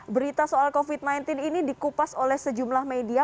berita soal covid sembilan belas ini dikupas oleh sejumlah media